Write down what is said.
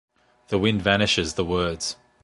The wind vanishes the words.